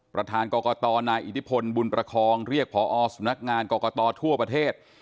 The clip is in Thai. ประธานกรกตนายอิทธิพลบุญประคองเรียกพอสำนักงานกรกตทั่วประเทศ